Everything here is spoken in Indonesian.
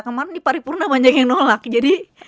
kemarin di paripurna banyak yang nolak jadi